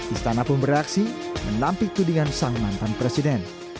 istana pun beraksi menampil tudingan sang mantan presiden